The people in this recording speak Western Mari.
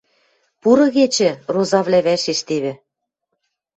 — Пуры кечӹ, — розавлӓ вӓшештевӹ.